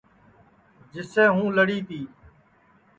جسے ہوں لڑی تی